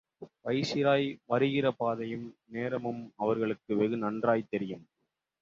Viceroy வருகிற பாதையும் நேரமும் அவர்களுக்கு வெகு நன்றாய்த் தெரியும்.